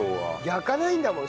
焼かないんだもん